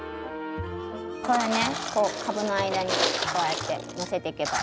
これねこう株の間にこうやってのせていけば。